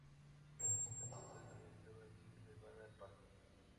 Los visitantes pueden organizar una visita privada al parque.